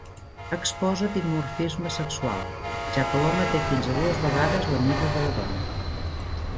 Exposa dimorfisme sexual, ja que l'home té fins a dues vegades la mida de la dona.